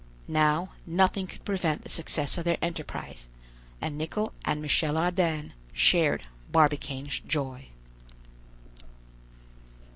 Now nothing could prevent the success of their enterprise, and Nicholl and Michel Ardan shared Barbicane's joy.